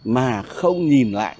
mà không nhìn lại